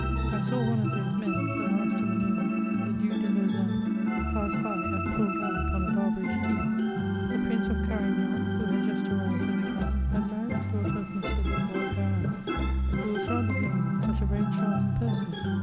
I saw one of those men, the last of an era, the Duke de Lauzun, pass by at full g^op on a Barbary steed. The Prince of Carignon, who had just arrived at the camp, had married the daughter of M. de Boisgarin, who was rather lame, but a very charming person.